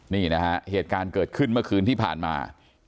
นี่นะฮะเหตุการณ์เกิดขึ้นเมื่อคืนที่ผ่านมา